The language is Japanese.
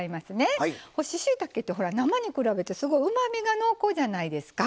干ししいたけってほら生に比べてすごいうまみが濃厚じゃないですか。